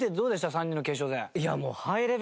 ３人の決勝戦。